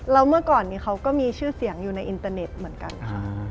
แล้วเมื่อก่อนนี้เขาก็มีชื่อเสียงอยู่ในอินเตอร์เน็ตเหมือนกันค่ะ